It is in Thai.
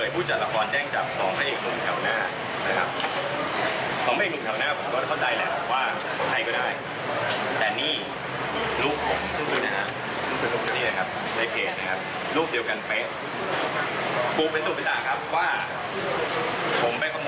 พูดจากกศพูดจากชื่ออะไรครับกศ